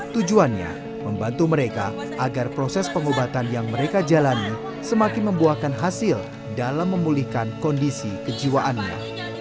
tujuannya membantu mereka agar proses pengobatan yang mereka jalani semakin membuahkan hasil dalam memulihkan kondisi kejiwaannya